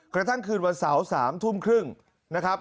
กระทั่งคืนวันเสาร์๓ทุ่มครึ่งนะครับ